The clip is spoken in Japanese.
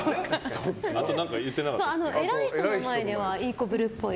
あと偉い人の前ではいい子ぶるっぽい。